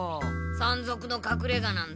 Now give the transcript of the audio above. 山賊のかくれがなんだ？